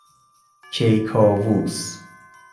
کیکاووس